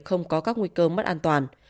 không có các nguy cơ mất an toàn